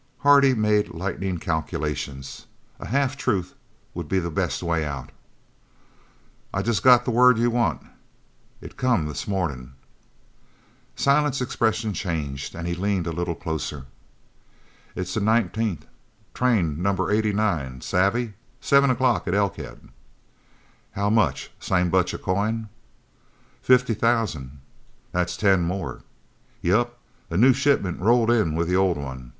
Hardy made lightning calculations. A half truth would be the best way out. "I've just got the word you want. It come this morning." Silent's expression changed and he leaned a little closer. "It's the nineteenth. Train number 89. Savvy? Seven o'clock at Elkhead!" "How much? Same bunch of coin?" "Fifty thousand!" "That's ten more." "Yep. A new shipment rolled in with the old one.